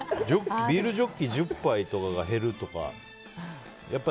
ビールジョッキ１０杯とかが減るとか。